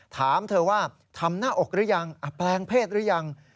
ถามเธอว่าทำหน้าอกหรือยังแปลงเพศหรือยัง